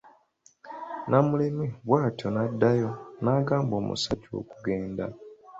Namuleme bwatyo n'addayo n'agamba omusajja okugenda.